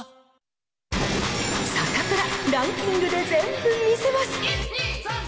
サタプラ、ランキングで全部見せます。